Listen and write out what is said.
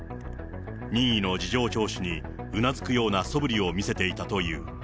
任意の事情聴取にうなずくようなそぶりを見せていたという。